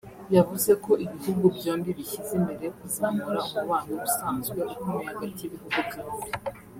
yavuze ko ibihugu byombi bishyize imbere kuzamura umubano usanzwe ukomeye hagati y’ibihugu byombi